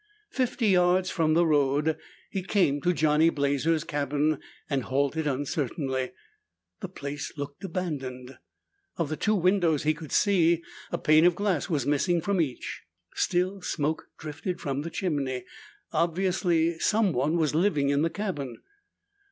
Fifty yards from the road, he came to Johnny Blazer's cabin and halted uncertainly. The place looked abandoned. Of the two windows he could see, a pane of glass was missing from each. Still, smoke drifted from the chimney. Obviously someone was living in the cabin.